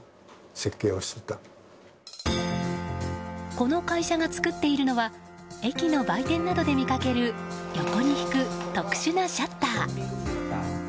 この会社が作っているのは駅の売店などで見かける横に引く、特殊なシャッター。